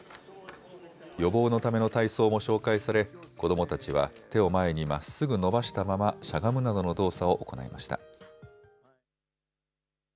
予防のための体操も紹介され子どもたちは手を前にまっすぐ伸ばしたまましゃがむなどの動作を行いました。